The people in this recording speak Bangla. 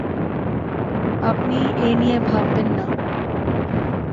আপনি এ নিয়ে ভাববেন না।